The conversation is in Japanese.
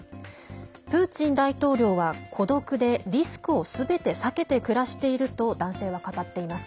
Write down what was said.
プーチン大統領は孤独でリスクをすべて避けて暮らしていると男性は語っています。